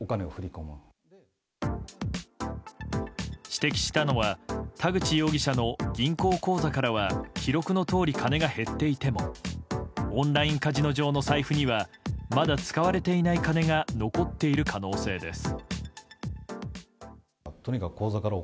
指摘したのは田口容疑者の銀行口座からは記録のとおり金が減っていてもオンラインカジノ上の財布にはまだ使われていない金が残っている可能性です。